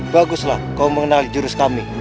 baguslah kau mengenal jurus kami